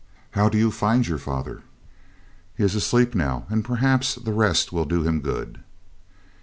'How do you find your father?' 'He is asleep now, and perhaps the rest will do him good.'